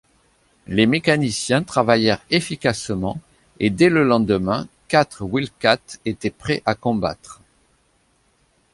Les mécaniciens travaillèrent efficacement et dès le lendemain, quatre Wildcat étaient prêts à combattre.